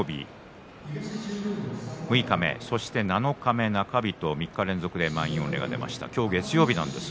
金曜日六日目、そして七日目、中日と３日連続で満員御礼が出ました。